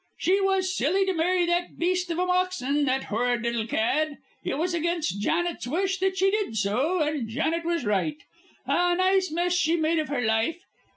She was silly to marry that beast of a Moxton, the horrid little cad. It was against Janet's wish that she did so, and Janet was right. A nice mess she made of her life.